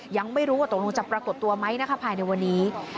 ยังไม่รู้ว่าตรงนี้จะปรากฏตัวไหมภายในวันนี้